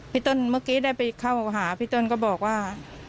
พี่ต้นเมื่อกี้ได้ไปเข้าหาพี่ต้นก็บอกว่า